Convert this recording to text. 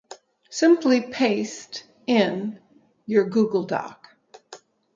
Simply paste in your Google Doc